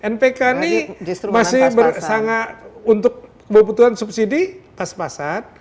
npk ini masih sangat untuk kebutuhan subsidi pas pasan